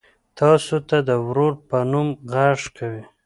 تاسو ته د ورور په نوم غږ کوي.